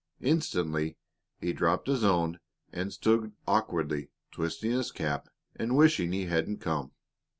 Instantly he dropped his own and stood awkwardly twisting his cap and wishing he hadn't come.